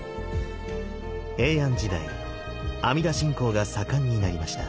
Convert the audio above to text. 平安時代阿弥陀信仰が盛んになりました。